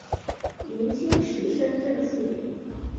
明清时升正四品。